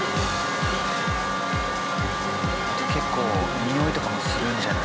結構においとかもするんじゃない？